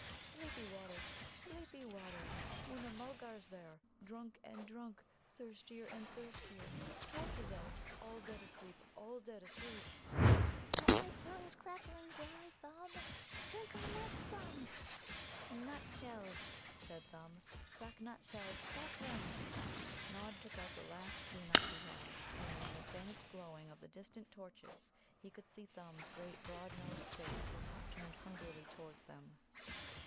Sleepy water sleepy water. Moona mulgars there, drunk and drunk; thirstier and thirstier, torches out all dead asleep all dead asleep." "But my tongue's crackling dry, Thumb. Drink I must, Thumb." "Nutshells," said Thumb "suck nutshells, suck them." Nod took out the last few nuts he had. And in the faint glowing of the distant torches he could see Thumb's great broad nosed face turned hungrily towards them.